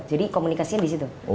jadi komunikasinya di situ